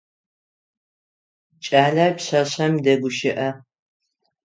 Кӏалэр пшъашъэм дэгущыӏэ.